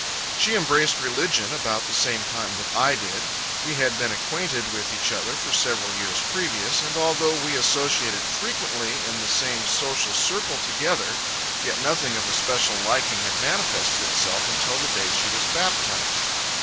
She embraced religion about the same time that I did. We had been acquainted with each other for several years previous, and although we associated frequently in the same social circle together; yet nothing of a special liking had manifested itself until the day she was baptized.